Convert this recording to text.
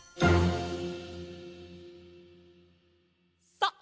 さあ